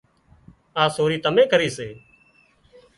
آ سوري تمين ڪري سي